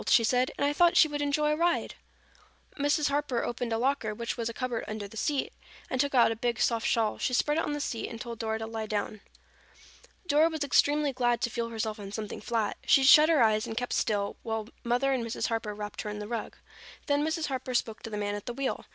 she said. "And I thought she would enjoy a ride." Mrs. Harper opened a locker, which was a cupboard under the seat, and took out a big soft shawl. She spread it on the seat and told Dora to lie down. Dora was extremely glad to feel herself on something flat. She shut her eyes and kept still while Mother and Mrs. Harper wrapped her in the rug. Then Mrs. Harper spoke to the man at the wheel.